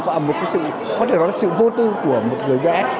có thể nói là sự vô tư của một người vẽ